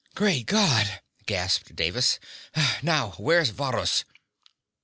"Great God!" gasped Davis. "Now where's Varrhus?"